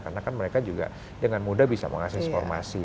karena kan mereka juga dengan mudah bisa mengakses informasi